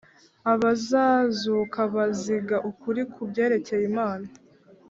Abazazuka baziga ukuri ku byerekeye Imana